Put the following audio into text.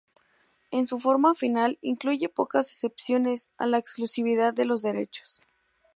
En su forma final, incluye pocas excepciones a la exclusividad de los derechos.